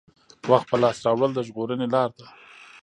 وخت په لاس راوړل د ژغورنې لاره ده.